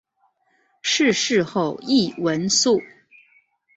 逝世后谥文肃。